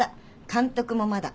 監督もまだ。